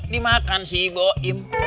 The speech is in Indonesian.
dimakan si boim